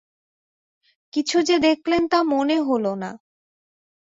কিছু যে দেখলেন তা মনে হল না।